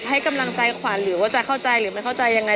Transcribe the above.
ให้กำลังใจขวัญหรือว่าจะเข้าใจหรือไม่เข้าใจยังไง